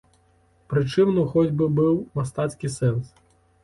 Прычым ну хоць бы быў мастацкі сэнс.